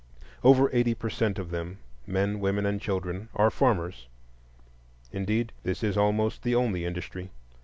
Over eighty eight per cent of them—men, women, and children—are farmers. Indeed, this is almost the only industry.